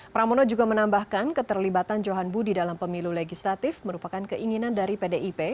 pramono juga menambahkan keterlibatan johan budi dalam pemilu legislatif merupakan keinginan dari pdip